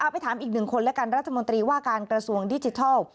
ไปถามอีกหนึ่งคนแล้วกันรัฐมนตรีว่าการกระทรวงดิจิทัล